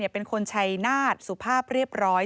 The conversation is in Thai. เป็นคนชัยนาฏสุภาพเรียบร้อย